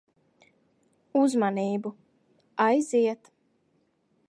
Uzmanību. Aiziet.